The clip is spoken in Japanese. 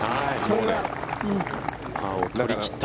パーを取り切った。